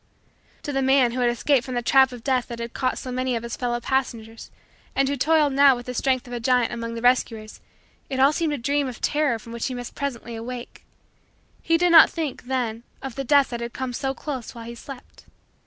To the man who had escaped from the trap of death that had caught so many of his fellow passengers and who toiled now with the strength of a giant among the rescuers, it all seemed a dream of terror from which he must presently awake. He did not think, then, of the Death that had come so close while he slept.